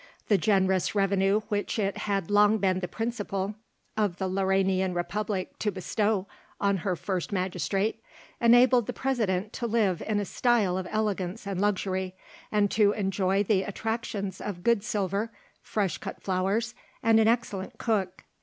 The generous revenue which it had long been the principle of the Lauranian Republic to bestow on her First Magistrate enabled the President to live in a style of elegance and luxury, and to enjoy the attractions of good silver, fresh cut flowers, and an excellent cook.